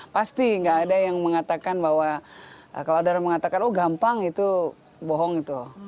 pasti nggak ada yang mengatakan bahwa kalau ada yang mengatakan oh gampang itu bohong itu